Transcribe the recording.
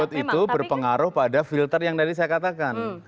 good itu berpengaruh pada filter yang tadi saya katakan